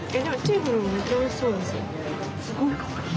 すごいかわいい。